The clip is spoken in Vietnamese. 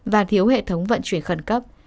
và thiếu hệ thống vận chuyển khẩn cấp